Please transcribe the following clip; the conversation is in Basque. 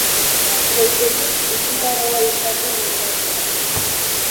Goizetik, itxita dago aipatu mendatea.